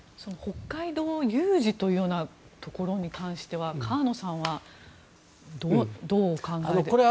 北海道有事というようなところに関しては河野さんはどうお考えですか？